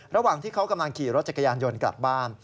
ระหว่างที่เขากำลังขี่รถจักรยานยนต์กลับบ้าน